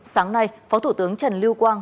sáng nay phó thủ tướng trần lưu quang